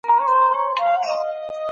هيڅوک هم پر حري ښځي باندي بنديز نسي لګولای.